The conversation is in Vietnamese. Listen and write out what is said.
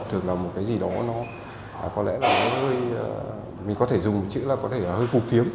thường là một cái gì đó nó có lẽ là nó hơi mình có thể dùng chữ là có lẽ là hơi phục thiếm